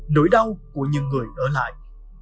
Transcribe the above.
nỗi đau của những người ở lại